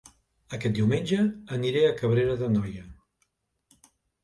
Aquest diumenge aniré a Cabrera d'Anoia